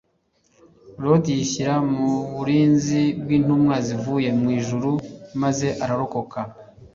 Loti yishyira mu burinzi bw'intunwa zivuye mu ijuru, maze ararokoka.